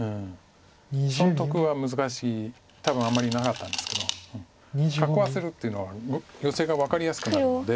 損得は難しい多分あんまりなかったんですけど囲わせるっていうのはヨセが分かりやすくなるので。